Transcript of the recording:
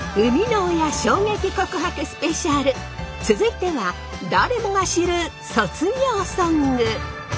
続いては誰もが知る卒業ソング！